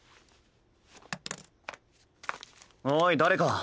おい誰か。